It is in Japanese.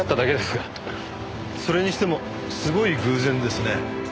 それにしてもすごい偶然ですね。